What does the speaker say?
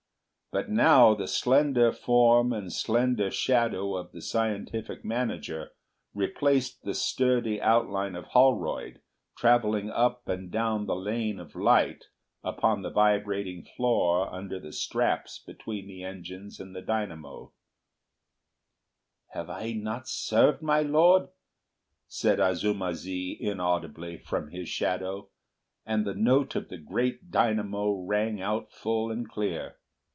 But now the slender form and slender shadow of the scientific manager replaced the sturdy outline of Holroyd travelling up and down the lane of light upon the vibrating floor under the straps between the engines and the dynamos. "Have I not served my Lord?" said Azuma zi inaudibly, from his shadow, and the note of the great dynamo rang out full and clear.